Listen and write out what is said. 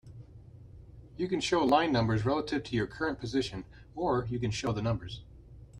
You can show line numbers relative to your current position, or you can show the numbers.